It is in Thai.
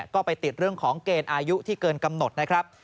ก็ไปติดเรื่องของเกณฑ์อายุที่เกินกำหนดนะครับ